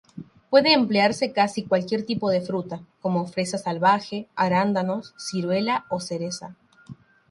Puede emplearse casi cualquier tipo de fruta, como fresa salvaje, arándano, ciruela o cereza.